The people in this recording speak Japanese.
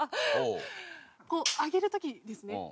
こう上げる時ですね。